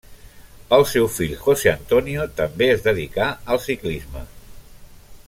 El seu fill José Antonio també es dedicà al ciclisme.